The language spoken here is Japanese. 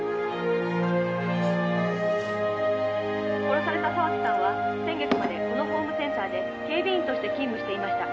「殺された沢木さんは先月までこのホームセンターで警備員として勤務していました」